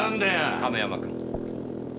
亀山君。